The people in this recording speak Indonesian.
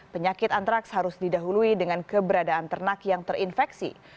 penyakit antraks harus didahului dengan keberadaan ternak yang terinfeksi